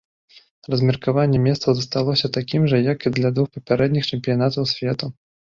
Размеркаванне месцаў засталося такім жа, як і для двух папярэдніх чэмпіянатаў свету.